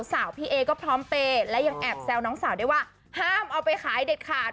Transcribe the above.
สาวพี่เอก็พร้อมเปย์และยังแอบแซวน้องสาวได้ว่าห้ามเอาไปขายเด็ดขาด